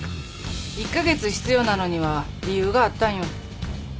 １カ月必要なのには理由があったんよ。